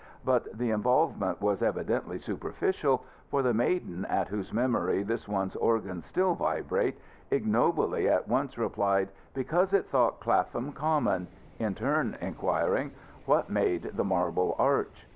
but the involvement was evidently superficial, for the maiden at whose memory this one's organs still vibrate ignobly at once replied, "Because it thought Clapham Common," in turn inquiring, "What made the Marble Arch?"